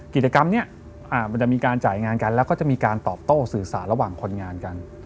กิจกรรมนี้มันจะมีการจ่ายงานกันแล้วก็จะมีการตอบโต้สื่อสารระหว่างคนงานกัน